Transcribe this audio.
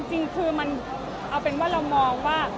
จริงคือมันเอาเป็นว่าเรามองว่า